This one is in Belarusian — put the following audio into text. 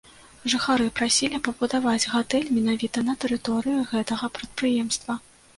Жыхары прасілі пабудаваць гатэль менавіта на тэрыторыі гэтага прадпрыемства.